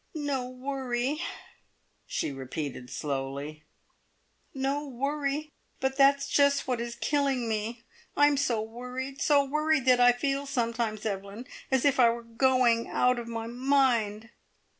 "No worry!" she repeated slowly. "No worry! But that's just what is killing me. I'm so worried, so worried that I feel sometimes, Evelyn, as if I were going out of my mind!"